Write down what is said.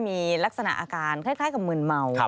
มีลักษณะอาการคล้ายกับมืนเมา